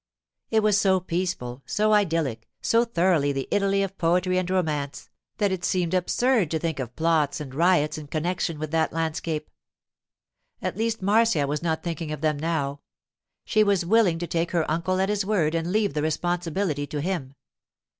It was so peaceful, so idyllic, so thoroughly the Italy of poetry and romance, that it seemed absurd to think of plots and riots in connexion with that landscape. At least Marcia was not thinking of them now; she was willing to take her uncle at his word and leave the responsibility to him.